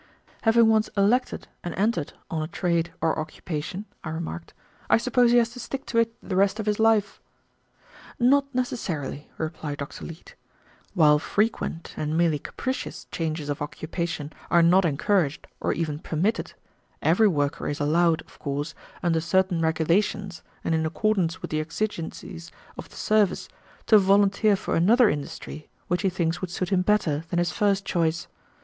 "Having once elected and entered on a trade or occupation," I remarked, "I suppose he has to stick to it the rest of his life." "Not necessarily," replied Dr. Leete; "while frequent and merely capricious changes of occupation are not encouraged or even permitted, every worker is allowed, of course, under certain regulations and in accordance with the exigencies of the service, to volunteer for another industry which he thinks would suit him better than his first choice.